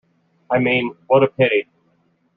I mean, what a pity!